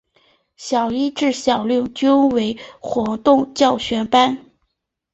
小一至小六均为活动教学班。